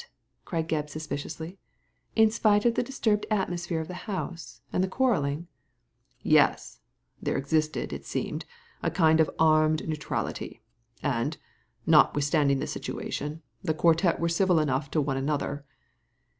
cried Gebb, suspiciously, •'in spite of the disturbed atmosphere of the house, and the quarrelling ?"'' Yes I there existed, it seemed, a kind of armed neutrality, and, notwithstanding the situation, the quartet were civil enough to one another."